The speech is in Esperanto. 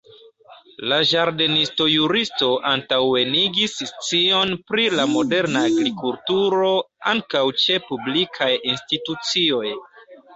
La ĝardenisto-juristo antaŭenigis scion pri la moderna agrikulturo ankaŭ ĉe publikaj institucioj.